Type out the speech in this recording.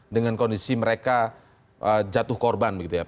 dengan kondisi mereka jatuh korban begitu ya